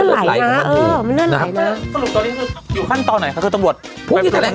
สรุปตอนนี้อยู่ขั้นตอนไหน